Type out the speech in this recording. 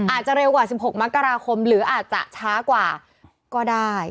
อาจจะเร็วกว่า๑๖มกราคมหรืออาจจะช้ากว่าก็ได้